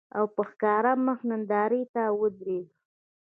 او په ښکاره مخ نندارې ته ودرېده